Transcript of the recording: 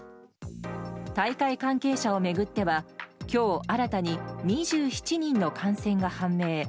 大会関係者を巡っては今日新たに２７人の感染が判明。